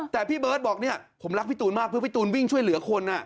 แต่พี่เบิร์ตบอกเนี่ยผมรักพี่ตูนมากเพื่อพี่ตูนวิ่งช่วยเหลือคน